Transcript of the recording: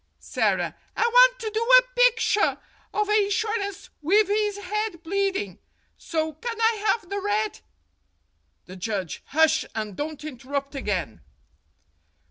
Sara : I want to do a pickshur of a insurance wiv his head bleeding. So, can I have the red The Judge: Hush, and don't interrupt again.